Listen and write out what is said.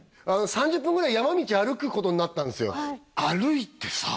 ３０分ぐらい山道を歩くことになったんですよ